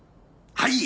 はい。